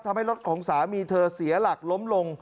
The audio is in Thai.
ทำให้รถของสามีเธอเสียหลักล้มลง